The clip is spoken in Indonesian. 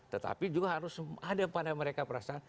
tetapi juga harus ada pada mereka perasaan